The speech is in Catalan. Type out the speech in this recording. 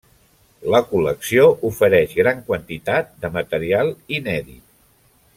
La col·lecció ofereix gran quantitat de material inèdit.